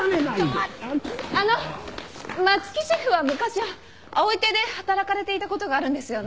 あの松木シェフは昔は葵亭で働かれていたことがあるんですよね。